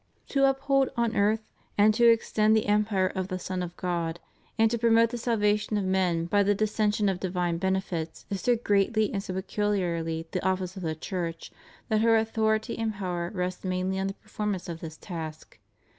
To uphold on earth and to extend the empire of the Son of God and to promote the salvation of men by the dissemination of divine benefits is so greatly and so peculiarly the office of the Church that her authority and power rests mainly on the performance of this task.